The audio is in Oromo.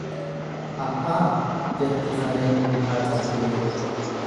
A'aa! jette sareen lukaa cabdee.